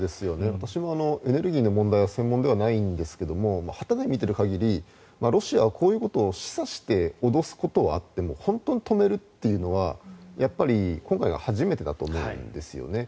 私もエネルギーの問題は専門ではないんですが傍目で見ている限りロシアはこういうことを示唆して脅すことはあっても本当に止めるというのはやっぱり今回が初めてだと思うんですよね。